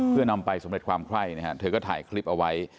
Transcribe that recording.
เพื่อนำไปสำเร็จความไคร้นะฮะเธอก็ถ่ายคลิปเอาไว้